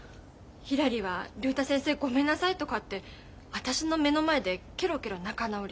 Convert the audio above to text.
ひらりは「竜太先生ごめんなさい」とかって私の目の前でケロケロ仲直りしちゃってさ。